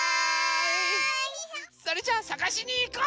それじゃあさがしにいこう！